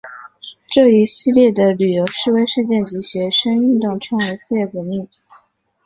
这一系列的游行示威事件及学生运动称为四月革命。